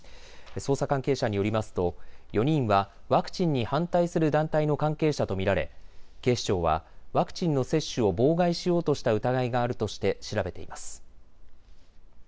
捜査関係者によりますと４人はワクチンに反対する団体の関係者と見られ警視庁はワクチンの接種を妨害しようとした疑いがあるとして調べています。